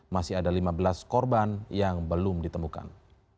masih ada lima belas korban yang belum ditemukan